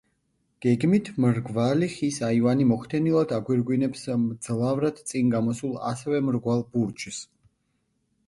გეგმით მრგვალი ხის აივანი მოხდენილად აგვირგვინებს მძლავრად წინ გამოსულ ასევე მრგვალ ბურჯს.